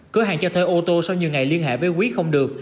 cửa hàng cho thuê ô tô sau nhiều ngày liên hệ với quý không được